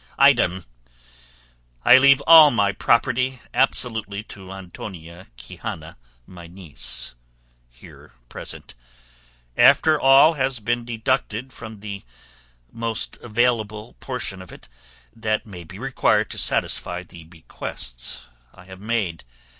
"Item, I leave all my property absolutely to Antonia Quixana my niece, here present, after all has been deducted from the most available portion of it that may be required to satisfy the bequests I have made.